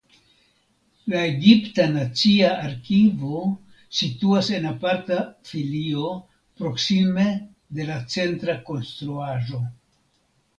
La Egipta Nacia Arkivo situas en aparta filio proksime de la centra konstruaĵo.